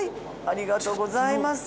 ありがとうございます。